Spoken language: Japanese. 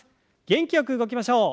元気よく動きましょう。